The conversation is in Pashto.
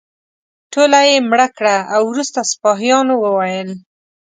ټوله یې مړه کړه او وروسته سپاهیانو وویل.